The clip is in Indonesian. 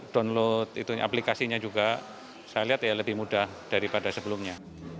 download itu aplikasinya juga saya lihat ya lebih mudah daripada sebelumnya